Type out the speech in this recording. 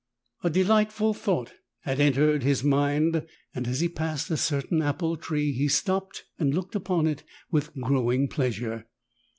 A delightful thought had entered his mind, and as he passed a certain apple tree he stopped and looked upon it with growing pleasure.